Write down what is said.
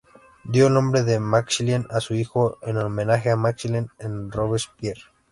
Dio el nombre de "Maximilien" a su hijo, en homenaje a Maximilien de Robespierre.